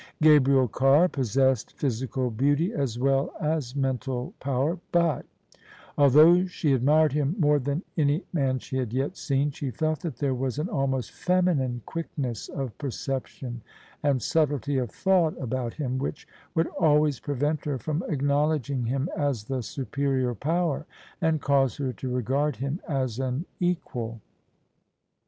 Gabriel Carr possessed physical beauty as well as mental power: but — although she admired him more than any man she had yet seen — she felt that there was an almost feminine quickness of perception and subtlety of thought about him, which would always prevent her from acknowledging him as the superior power, and cause her to regard him as an equal.